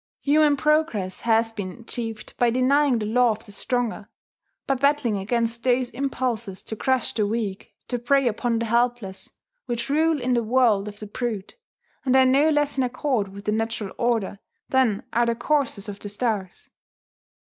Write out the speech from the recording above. Human progress has been achieved by denying the law of the stronger, by battling against those impulses to crush the weak, to prey upon the helpless, which rule in the world of the brute, and are no less in accord with the natural order than are the courses of the stars.